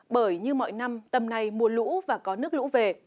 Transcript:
bởi như mọi năm tầm này mùa lũ và có nước lũ về